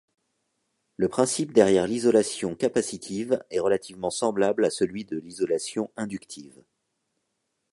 Le principe derrière l'isolation capacitive est relativement semblable à celui de l'isolation inductive.